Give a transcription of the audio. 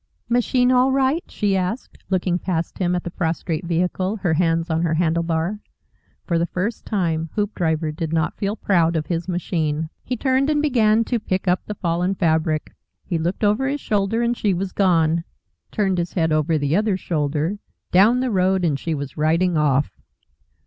"Machine all right?" she asked, looking past him at the prostrate vehicle, her hands on her handle bar. For the first time Hoopdriver did not feel proud of his machine. He turned and began to pick up the fallen fabric. He looked over his shoulder, and she was gone, turned his head over the other shoulder down the road, and she was riding off.